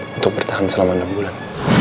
untuk bertahan selama enam bulan